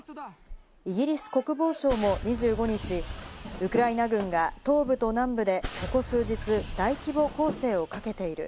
イギリス国防省も２５日、ウクライナ軍が東部と南部でここ数日、大規模攻勢をかけている。